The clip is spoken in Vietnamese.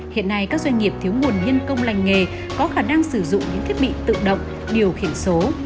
hiện nay các doanh nghiệp thiếu nguồn nhân công lành nghề có khả năng sử dụng những thiết bị tự động điều khiển số